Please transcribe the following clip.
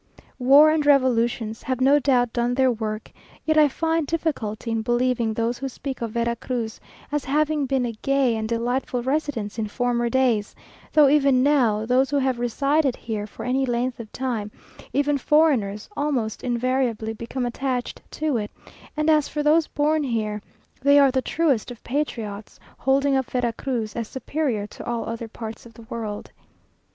War and revolutions have no doubt done their work, yet I find difficulty in believing those who speak of Vera Cruz as having been a gay and delightful residence in former days, though even now, those who have resided here for any length of time, even foreigners, almost invariably become attached to it; and as for those born here, they are the truest of patriots, holding up Vera Cruz as superior to all other parts of the world.